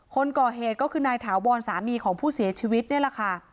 คนก่อเหตุก็คือนายถาวรสามีของผู้เสียชีวิตนี่แหละค่ะ